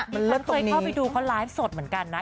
ฉันเคยเข้าไปดูเขาไลฟ์สดเหมือนกันนะ